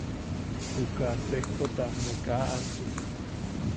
Juka sejtota ne kaa ansuk.